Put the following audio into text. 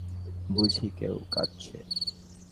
বুঝি কেউ কাঁদছে।